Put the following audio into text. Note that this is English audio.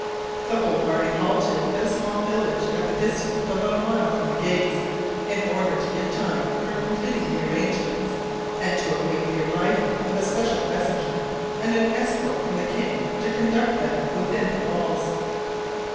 The whole party halted at a small village at the distance of about a mile from the gates, in order to give time for completing the arrangements, and to await the arrival of a special messenger and an escort from the king to conduct them within the walls.